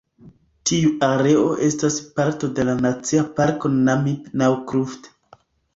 Tiu areo estas parto de la Nacia Parko Namib-Naukluft.